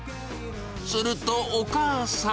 すると、お母さん。